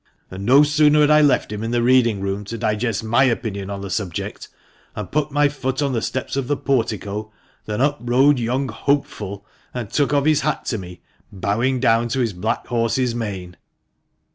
And no sooner had I left him in the reading room, to digest my opinion on the subject, and put my foot on the steps of the Portico, than up rode young Hopeful, and took off his hat to me, bowing down to his black horse's mane."